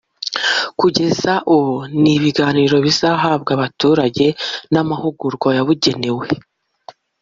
Icya kabiri ni ibiganiro bizahabwa abaturage n’amahugurwa yabugenewe